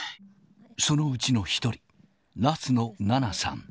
そのうちの１人、夏野ななさ